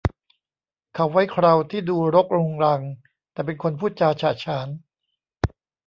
เขาไว้เคราที่ดูรกรุงรังแต่เป็นคนพูดจาฉะฉาน